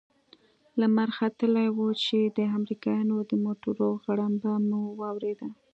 لمر ختلى و چې د امريکايانو د موټرو غړمبه مو واورېد.